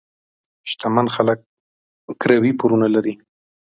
شتمن خلک ګروۍ پورونه لري.